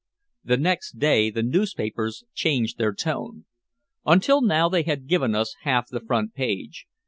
The next day the newspapers changed their tone. Until now they had given us half the front page.